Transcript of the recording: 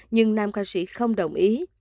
nhưng nam ca sĩ không đồng ý